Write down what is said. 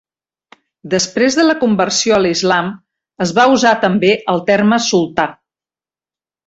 Després de la conversió a l'islam, es va usar també el terme sultà.